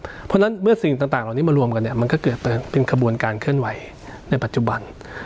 เพราะฉะนั้นเมื่อสิ่งต่างเหล่านี้มารวมกันเนี่ยมันก็เกิดเป็นขบวนการเคลื่อนไหวในปัจจุบัน